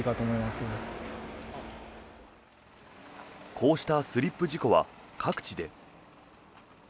こうしたスリップ事故は各地で。